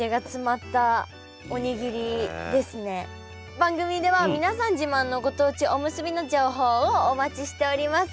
番組では皆さん自慢のご当地おむすびの情報をお待ちしております。